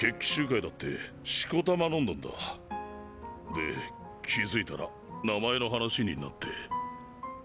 で気付いたら名前の話になって。